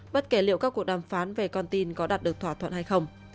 bất kể liệu các cuộc đàm phán về con tin có đạt được thỏa thuận hay không